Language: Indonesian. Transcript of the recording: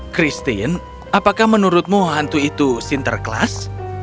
christine apakah menurutmu hantu itu sinterklas